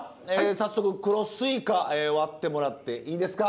早速黒すいか割ってもらっていいですか？